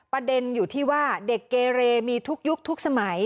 ประเด็นอยู่ที่ว่าเด็กเกเรมีทุกยุคทุกสมัย